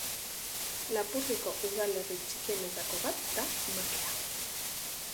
Lapurdiko udalerri txikienetako bat da Makea.